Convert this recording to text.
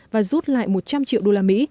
và rút lại một trăm linh triệu đô la mỹ